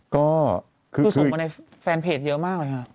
ขึ้นสมในแฟนเพจเยอะมากเลยครับ